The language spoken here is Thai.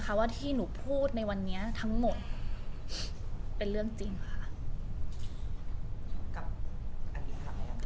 เพราะว่าที่หนูพูดในวันนี้ทั้งหมดเป็นเรื่องจริงค่ะ